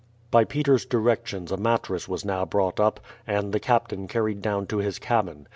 By Peters' directions a mattress was now brought up, and the captain carried down to his cabin.